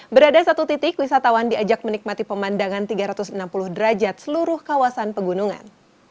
berada satu titik wisatawan diajak menikmati pemandangan tiga ratus enam puluh derajat seluruh kawasan pegunungan